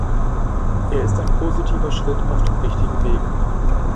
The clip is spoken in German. Er ist ein positiver Schritt auf dem richtigen Weg.